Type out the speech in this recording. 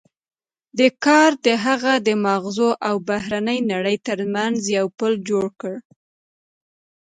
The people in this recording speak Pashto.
دې کار د هغه د ماغزو او بهرنۍ نړۍ ترمنځ یو پُل جوړ کړ